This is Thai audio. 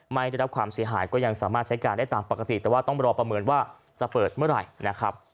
ไม่ได้รับความเสียหายก็ยังสามารถใช้การได้ตามปกติแต่ว่าต้องรอประเมินว่าจะเปิดเมื่อไหร่นะครับ